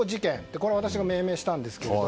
これは私が命名したんですが。